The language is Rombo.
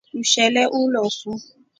Mshele ulosu.